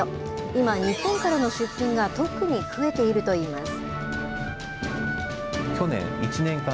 今、日本からの出品が、特に増えているといいます。